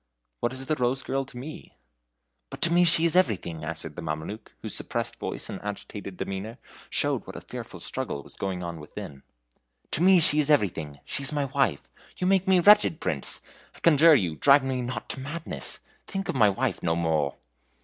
"What is the Rose girl to me?" "But to me she is everything!" answered the Mameluke, whose suppressed voice and agitated demeanor showed that a fearful struggle was going on within. "To me she is everything. She is my wife. You make me wretched, Prince! I conjure you drive me not to madness. Think of my wife no more!"